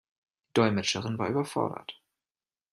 Die Dolmetscherin war überfordert.